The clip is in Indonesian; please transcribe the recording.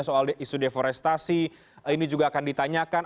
soal isu deforestasi ini juga akan ditanyakan